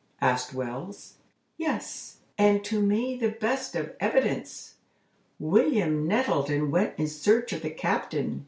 asked Wells. "Yes, and to me the best of evidence. William Nettleton went in search of the captain.